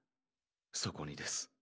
そこにです